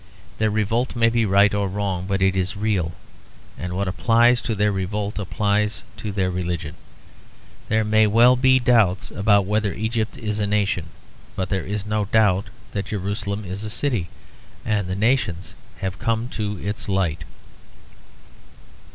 Their revolt may be right or wrong, but it is real; and what applies to their revolt applies to their religion. There may well be doubts about whether Egypt is a nation, but there is no doubt that Jerusalem is a city, and the nations have come to its light.